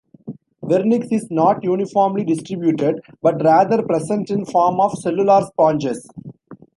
Vernix is not uniformly distributed, but rather present in form of cellular sponges.